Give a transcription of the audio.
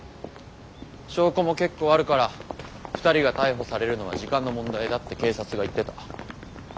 証拠も結構あるから２人が逮捕されるのは時間の問題だって警察が言ってた。